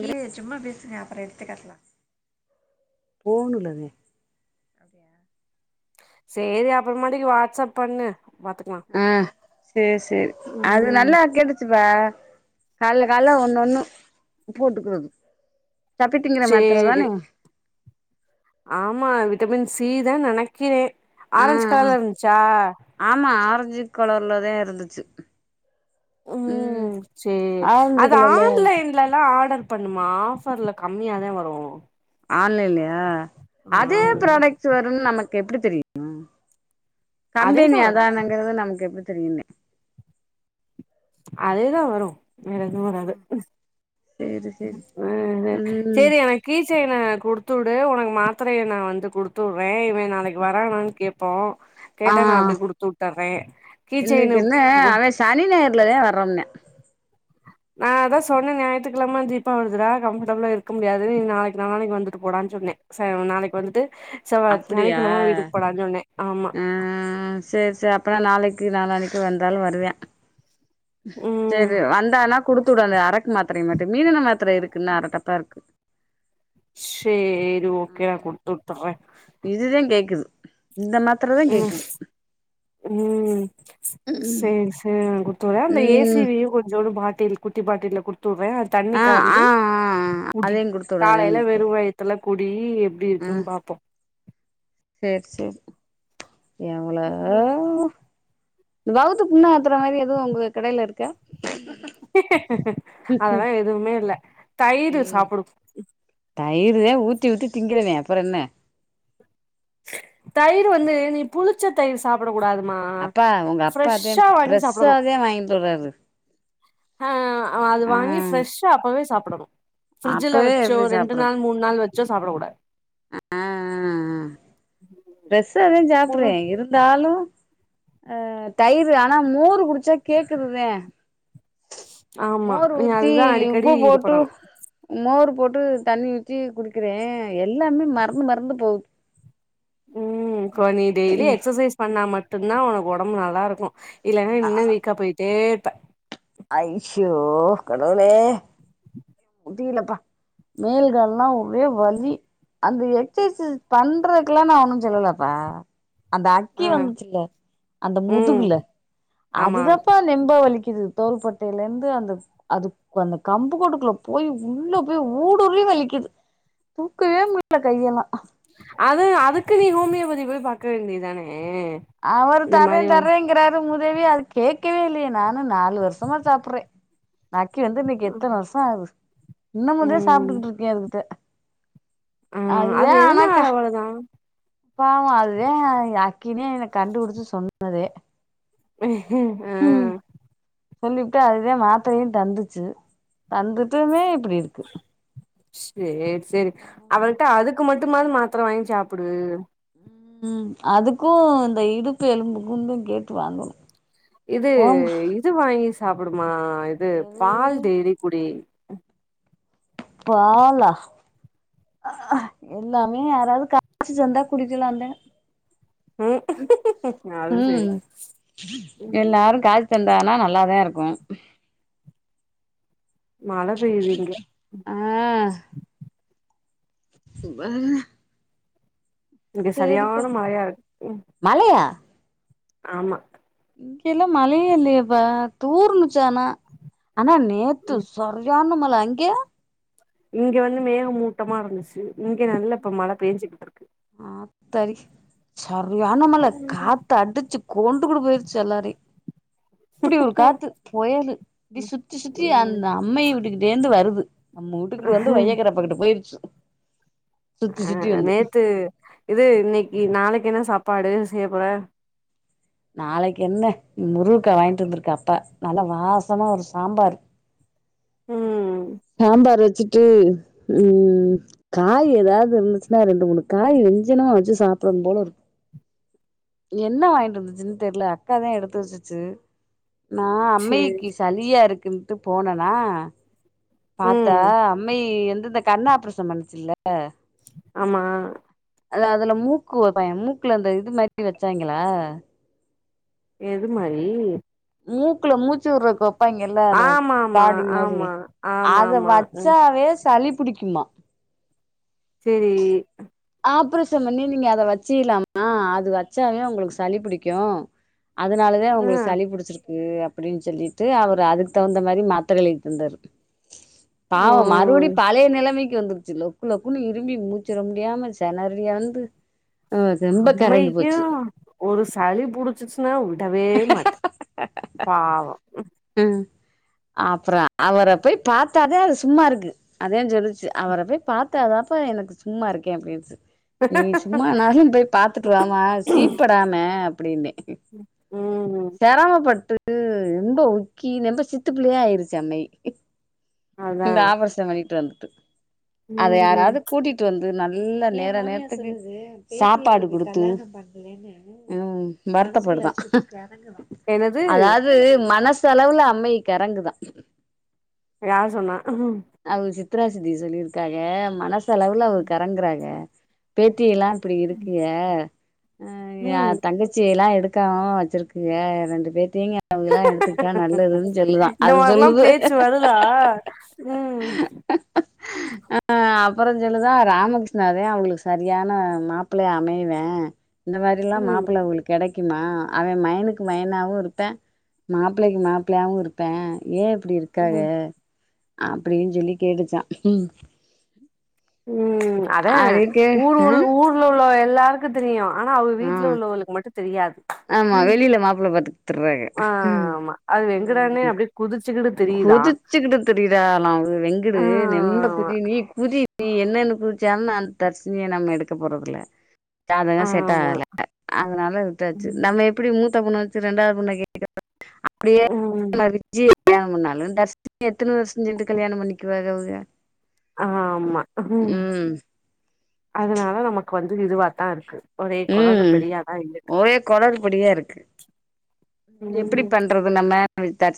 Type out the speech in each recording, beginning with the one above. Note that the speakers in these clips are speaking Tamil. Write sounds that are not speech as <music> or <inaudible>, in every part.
இல்ல சும்மா பேசுங்க அப்புறோ எடுத்துக்கத்துலா செரி அப்புறமாட்டுக்கு வாட்ஸ்அப் பண்ணு பாத்துகலா சேர் சேரி அது நல்லா கெட்டுச்சு இப்ப கால்ல கால்ல ஒன்னொண்ணு போட்டுக்குறது சப்பி திங்கற சேரி மாத்தரதானே ஆமா விட்டமின் சி தா நெனக்கிற ஆ ஆரஞ்சு கலர்ல ருந்துச்சா ல்லதா இருந்துச்சு ம் உஹம் சேரி ஆரஞ்சு அது கலர்லயா இருந்துச்சு ஆன்லைன்லல்லா ஆர்டர் பண்ணுமா ஆஃபர்ல கம்மியாதா வரு ஆன்லைலயா அ அதே ம் ப்ராடக்ட்ஸ் வருனு நமக் எப்டித் தெரியு அதேதா கம்பெனி வரு அதானங்கறது நமக்கு எப்டி சரின்னே அதேதா வரு வேறேது வராது சேரி சேரி அஹ் ம் சேரி எனக்கு கீச்செயினு குடுத்து வுடு உனக் மாத்திரைய நா வந்து குடுத்துவுட்றே இவ நாளைக்கு வரானான்னு கேப்போ ஆ கேட்ட நா அப்டி குடுத்துட்டுற கீச்செயின்னு ரொண்ண நா அதா சொன்னே ஞாயத்துக்கிழம ஜிப்பா வருதுடா கம்ஃர்டபுளா இருக்க முடியாது நீ நாளைக்கு நாளனைக்கு வந்துட்டு போடான் சொன்ன ச நாளைக்கு வந்துட்டு செவ்வா அப்டியா சனிக்கிழம வீட்டுக்கு போடான்னு சொன்னே ஆமா ஹ செரி செரி அப்பனா நாளைக் நாளானைக்கு வந்தாலு வருவே ம் செரி வந்தானா குடுத்து வுடங்க அரக்கு மாத்திர ய மட்டு மீதி நம்ம இருக்கு இன்னு அரடப்பா இருக்கு சேரி ஓகே நா ம் குடுத்து வுட்டறே இதுதா கேக்குது இந்த மாத்திரதா ம் கேக்குது ம் செரி செரி ஆ <unintelligible> அந்த ஏசி ம் வெய் கொஞ்சோ ஒரு பாட்டில் குட்டி பாட்டில்ல குடு டுருவே அது தண்ணி ஆ ஆ ஆ கலந்து குடி அதையு குடுத்துடு அதையு காலையில குடுத்துடு வெறுவயத்துல புடி டீ எப்டி இருக்குன் பாப்போ செரி செரி எவ்ளவோ இந்த வவுத்து புண்ண ஆத்துற மாரி எதுவு உங்க கடையில இருக்கா அதெல்லா எதுவுமே இல்ல தயிரு சாப்புடு தயிருதெ ஊத்தி ஊத்தி திங்கிறவே அப்புற என்ன தயிர் வந்து நீ புளிச்ச தயிர் சாப்பிட கூடாது அப்பா உங்க அப்பாதே சாப்பிடணு பிரெஷ்ஷாதா வாய்ன்ட் வருவாரு ஆ அது வாங்கி ஃப்ரெஷா அப்பவே சாப்பிடணு ஃ பிரிட்ஜில அப்பவே வச்சோ ரெண்டு நாள் மூணு நாள் வச்சோ சப்பட கூடாத் ஆ ஆ ஆ ஃபிரஷ்சாதெ புளி சாப்பிறே இருந்தாலு அ தயிரு ஆனா மோரு குடிச்சா கேக்குதுதெ ஆமா மோரு நீ ஊத்தி அதுதா அடிக்கடி உப்பு இது போட்டு பண்ணணு மோர் போட்டு தண்ணி வச்சி குடிக்கிறே எ எல்லாமே மறந்து மறந்து போது ம் கோ நீ டெய்லி எக்சசைஸ் பண்ணா மட் மட்டு்தா ஒனக்கு ஒடம்பு நல்லா இருக்கு இல்லனா இன்னு வீக்கா போயிட்டே <unintelligible> அய்சோ கடவுளே முடீயிலப்பா மேல்க எல்லா ஒரே வலி அந்த எக்சசைஸ் பண்றக்கெல்லா நா ஒன்னு சொல்லலப்பா அந்த அக்கி ஆ வந்துச்சுல அந்த ம் முதுகுல ஆமா அதுதாப்பா நெம்ப வலிக் இது தோல் பட்டையில இருந்து அந்த அது அந்த கம்பு கொடுக்குல போய் உள்ள போய் ஊடுருலயு வலிக்குது தூக்கவே முல கையெல்லா அது அதுக்கு நீ ஹோமியோபதி போய் பாக்க வேண்டியதானே அவரு இந்த தர்ரே மாரி வந்து தர்றேங்கிறாரு உதவி அது கேக் கேலு நானு நாலு வருஷமா சாப்பறே <unintelligible> கி வந்து இன்னைக்கு எத்தன வருஷோ ஆகுது இன்னு முதலே ம் சாப்ட்டுக்கிட்டு இருக்கே அதுக்கிட்ட ஆ அது எதுனாவ அவ்ளோதா பாவோ அதுவே அக்கினே கண்டு புடுச்சு சொன்னதே உஹ் ஆ சொல்லிபுட்டு அதுதா மாத்திரையு தந்துச்சு தந்துட்டுமே இப்டி இருக்கு சேரி சேரி ஆமா அவேகிட்ட அதுக்கு மட்டுமாது மாத்திர வாங்கி சாப்டு உம் அதுக்கு இந்த இடுப்பு எலும்புக்கு தா கேட்டு வாங்கனு இது இது வாங்கி சாப்புடுமா இது எது பால் டெய்லி குடி ம் பாலா அ எல்லாமே யாராது காய்ச்சி தந்தா குடிக்கலாந்தே ம் அது சேரி உம் ம் எல்லாரு காச்சு தன் தானா நல்லாதா இருக்கு மழ பெய்யுது இங்க ஆ வல்லே இங்க சரியான மழயா இருக்கு ம் ஆமா இங்கயல்லா மழயே இல்லயேபா தூர்னுச் ச்சனா ஆனா நேத்து ம் சரியான மழ லா அங்கே இங்க வந்து மேகமூட்டமா இருந்துச்சு இங்க நல்ல இப்ப மழ பெஞ்சுக்கிட்டு இருக்கு ஆத்தாடி சரியான மழ ம் காத்து அடிச்சு கோண்டு கூடு போயிருச்சு எல்லாரையு அப்டி ஒரு காத்து பொயலு இப்டி சுத்தி சுத்தி அந் அம்மை வீட்டுக்கிட்டே இருந்து வருது நம்ம வூட்டுகுள்ள வந்து வையேக்கறப்பக்கிட்டு போயுடுச்சு சுத்தி ஆ சுத்தி வந்து நேத்து இது இன்னைக்கி நாளைக்கு என்ன சாப்பாடு செய்யப்போற நாளைக்கு என்ன முருங்கா வாங்கிட்டு இருந்திருக்க அத்தா நல்லா வாசமா ஒரு சாம்பார் உம் வச்சட்டு உம் காய் ஏதாவது இருந்துச்சுன்னா ரெண்டு மூணு காய் வெஞ்சனா வச்சு சாப்டனு போல இருக்கு என்ன வாங்கிட்டு வந்துச்சின்ன்னு தெர்ல அக்காதா எடுத்துவச்சுச்சு நா சேரி அம்மைக்கு சளியா இருக்குன் ட்டு போனனா பாத்தா ம் அம்மை எந்த இந்த கண்ணாபரசேன் பண்ணுச்சல்ல ஆ ஆமா அது அதுல மூக்கு வைப்பாய மூக்குல அந்த இது மாரி டி வச்சாங்களா எது மாரி மூக்குள்ள மூச்சு விடற்றக் ப்பங்கில்ல அந்த ஆமா ஆமா தாடி மாரி ஆமா ஆமா அத ஆமா ம் வச்சாவே சளி புடிக்குமா செரி ஆப்ரேஷன் பண்ணி நீங்க அத வச்சுலாமா அது வச்சாவே உங்களுக்கு சளி புடிக்கு அதனாலதே ஆ உங்களுக்கு சளி புடிச்சிருக்கு ஹு அப்டின்னு சொல்லிட்டு அவரு அதுக்கு தவுந்த மாரி மாத்திர எழுதிதந்தாரு ஓ பாவோ மறுபடி பழைய நெலைமைக்கு <unintelligible> வந்துருச்சு லொக்கு லொக்குனு இ ரும்பி மூச்சுவிட முடியாம செனறி வந்து அம்மைக்கே ஒரு சளி புடிச்சிச்சுன்னா விடவே மாட்ட பாவோ உஹம் அப்புற அவர போய் பாத் ததேல் சும்மா இருக்கு அதே சொல்லுச்சு அவர போய் பாத்தாதாப்ப எனக்கு சும்மா இருக்க அப்டின்னு சொ நீ சும்மானாலு போய் பாத்துட்டுவாமா சீப்படாம அப்டின்னே உஹம் க்கு எந்த ஒ கி நெம்ப சித்து பிள்ளையா ஆயிடுச்சு அம்மே அதா இந்த ஆபர்சே பண்ணிட்டு வந்து ட்டு அத ம் யாராவது கூட்டிட்டு வந் து நல்ல நேர நேரத்துக்கு சாப்பாடு குடுத்து ம் வருத்தப்படுதா என்னது அதாவது மனசு தலவுல அம்மைக்கெறங்குதா யாரு சொன்னா த்ராசித்தி சொல்லிருக்காங்க மனச எவ்வளவு கறங்குறாங்க பேத்தி எல்லா இருக்குக ஆ ம் தங்கச்சிய எல்லா எடு க்க வச்சிருக்குங்க ரெண்டு பேர் தேங்க் அவங்கெல்லா எடுத்து இந்த மாதிரல்லா பேச்சு வருதா உம் அஹ் அப்புறோ சொல்லுதா ராமகிருஷ்ணாவே அவங்களுக்கு சரியான மாப்பிள்ளையா அமைவே இந்த மாதிரிலா ம் மாப்பிளை உங்களு கிடைக் இருக்குமா அவ மயனுக்கு மயனாவு இருப்பே மாப்ப பிள்ளைக்கு மாபிள்ளையாவு இருப்பே ஏ இ அப்டி இருக்காக ம் அப்படனு சொல்லி கேட்டுச்ச உம் அதா ஊரு ஊரு ஊர்ல உள்ளவ எல்லாருக்கு தெரியு ஆனா அவங்க ஆ வீட்டல உள்ளவளுக்கு மட்டு தெரியாது ஆமா ம் வெளியில மாப்பிள்ள பாத்துக்க திர்றாங்க ஆ ஆமா அது வெங்கடானே அப்டியே குதிச்சுக்கிட்டு திரியுதா குதிச்சுக்கிட்டு திரியறகளா வெங்கடு ஆ நம்ப குதி நீ குதி இ என்னன்னு புடிச்சாலு நா அந்த தர்சினிய நம்ம எடுக்க போறதில ஜாதக செட் ஆமா ஆகல அதனால நம்ம எப்படி மூத்த பொண்ணு வச்ச ரெண்டாவது பொண்ண கேக்க <unintelligible> அப்டியே <unintelligible> ம் கல்யாண பண்ணாலு டஸ்ட் எத்தனை வருஷம் சென்று கல்யாண பண்ணிக்குவா அவுக ஆமா உஹம் ம் அதனால நமக்கு வந்து இதுவாத்தா இருக்கு ஒரே கொழறு உம் பிடியாதா இருக்கு ஒரே கொளறுப்படியா இருக் ஓகே <inaudible> எப்டி ம் பண்றது நம்ம தர்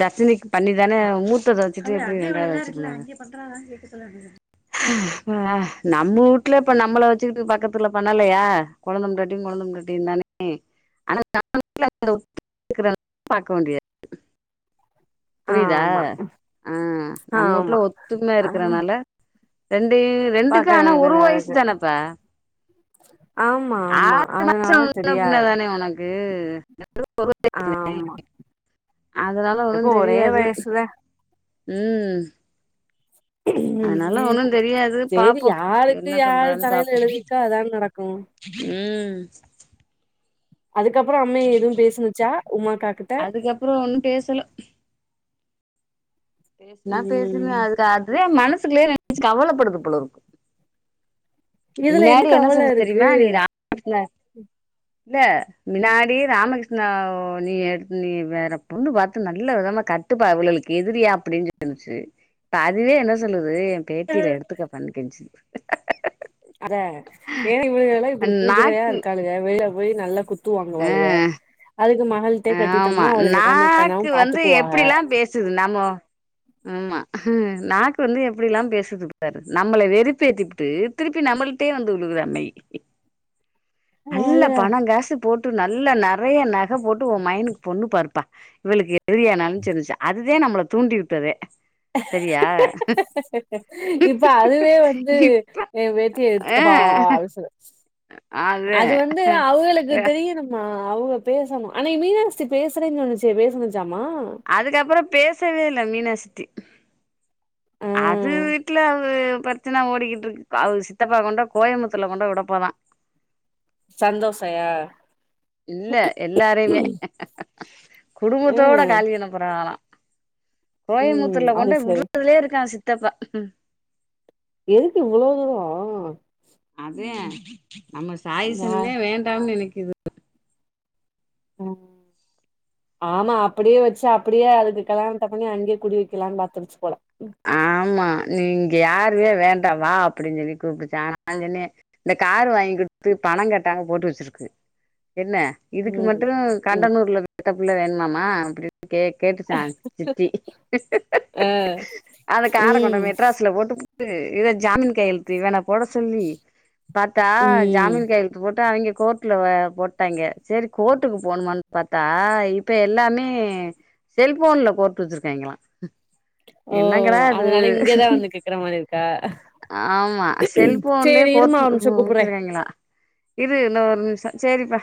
தர்சினிக்கு பண்ணிதானே மூத்தது <unintelligible> பா நம் நமு வூட்ல இப்ப நம்மளை வச்சுட்டு பக்கத்து ல பண்ணலையா கொழுந்த பொண்டாட்டியு கொழுந்த பொண்டாட்டியுதானே ஆனா <unintelligible> <unintelligible> புரியுதா ஆமா ஆ நம்மொ ஆமா வீட்ல ஒத்துமயா ஆ இருக்கறனால ரென் பாக்க ரெண்டுக்கு ஆனா ஒரு வேண்டியதா வயசு இருக்கு தானப்பா ஆமா ஆமா ஆறு மாச அதனால முன்ன பின்ன தெரியாது தானே உனக்கு ஆமா <unintelligible> அதனால எனக்கு ஒண்ணும் ஒரே தெரியாது வயசுதா உம்ஹ் அதனால ம் ஒண்ணு தெரியாது சேரி பாப்போ யாருக்கு என்ன யாரு பண்றான்னு தலையில பாப்போ எழுதிருக்கோ அதான் நடக்கு உம் அதுக்கப்றம் அம்மே எதும் பேசனுச்சா உமாக்கா கிட்ட அதுக்கப்புறம் ஒன்னும் பேசல பேசுனா பேசுங்க ம் அதுக்கு அது அதே மனசுக்குலே நனைச்ச கவலப்படுது போல இருக்கு இதுல இல்லாடி என்ன கவல சொல்லுசு இருக்கு தெரியுமா நீ <unintelligible> இல்ல மினாடி ராமகிருஷ்ணா நீ எ நீ வேற பொண்ணு பாத்து நல்ல விதமா கட்டுப்பா அவளுக்கு எதிரியா அப்டின்னு சொல்லன்னச்சு இப்ப அதுவே என்ன சொல்லுது பேத்தில எடுத்துக்கப்பாண்ணு கேட்டுச்சு அதா ஏன் இவள்கல்லாம் இப்டி கூதுரையா நாக்கு இருகாளுங்க <unintelligible> போய் நல்ல கு த்துவாங்கவாள்க ஆ அதுக ஆமா நாக்கு வந்து பாத்துக்குவாக எப்டில்லாம் பேசுது நம்ம ஆமா ஹா நாக்கு வந்து எப்டில்லாம் பேசுதுப்பாரு நம்மள வெறுப்பே ஏத்திப்புட்டு திருப்பி நம்மளிட்டே வந்து விழுகுறமாயி நல்ல அத பணம் காசு போ நல்ல நறைய நகை போட்டு உ மயனுக்கு பொண்ணு பாருப்பா இவளுக்கு <unintelligible> அது இதே நம்மள தூண்டி விட்டதே சரியா இப்ப அதுவே வந்து இப்ப என் பேத்திய ஆ எடுத்துக்கப்பா அவச அதே அது வந்து அவங்களுக்கு தெரியு நம்ம ஆ அவங்க பேசணு ஆனா மீனாஸி பேசுறேன்னு சொன்னுச்சே பேசுனு அதுக்கப்றம் பேசவே மீனா சித்தி ஆ அது வீட்ல அவ பிரச்சன ஓடிக்கிட்டு இருக்கு அவ சித்தப்பா கொண்டு கோயம்புத்தல கொண்டு விடப்போதான் சந்தோஷயா இல்ல எல்லாரயுமே ம் அ குடும்பத்தோட காலி பண்ண போறாகளா ம் கோயம்புத்தூர்ல அது கொண்ட சரி விடுறதுலயே இருக்கான் சித்தி த்தப்பா எதுக்கு இவ்ள தூரம் அதே நம்ம யா சாயிசனமே வேண்டாம்னு நினைக்க இது ஆமா அப்படியே வச்சு அப்படியே அதுக்கு கலாணத்த பண்ணி அங்கே குடிவிக்கலான்னு பாத்துடிச்சு போல ஆமா நீங்க யார் பிள்ளையே வேண்டவா அப்படின்னு சொல்லி கூப்ட்டுச்சான் ஆனாலும் சொன்னே இந்த காரு வாங்கி குடுத்து பணம் கட்டாம போட்டு வச்சிருக்கு என்ன இதுக்கு ம் மட்டு ம் கண்டனூர்ல பெட்ட பிள்ள வேணுமாமா ஆஹ் அப்படி கே கேட்டு சான் சித்தி ஆ அந்த காரை கொண்ட ம் மெட்ராஸ்ல போட்டு இத ஜாமீன் கையழுத்து இவன போட சொல்லி பாத்தா ம் ஜாமீன் கையெழுத்து போட்டு அவங்க கோர்ட்ட்ல போட்டாங்க சரி கோர்ட்டுக்கு போணும பாத்தா இப்ப எல்லாமே செல்போன்ல கோர்ட்டு வச்சிருக்காங்களா ஓ அதனால இங்கேதான் வந்து கேக்குற மாதிரி இருக்கா ஆமா செல்போன்லயே சரி கோர்ட் இருமா ஒரு நிமிஷம் கூப்பிறேன் வச்சிருக்காய்ங்களா இரு இன்ன ஒரு நிமிஷம் சரிப்பா